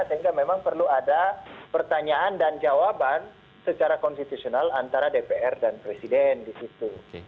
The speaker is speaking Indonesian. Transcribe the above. sehingga memang perlu ada pertanyaan dan jawaban secara konstitusional antara dpr dan presiden di situ